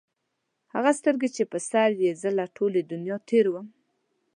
هغه سترګي چې په سر یې زه له ټولي دنیا تېر وم